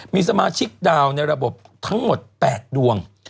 มีสมาชิกดาวในระบบทั้งหมด๘ดวง